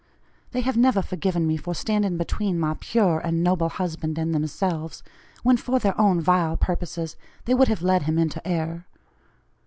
They have never forgiven me for standing between my pure and noble husband and themselves, when, for their own vile purposes, they would have led him into error.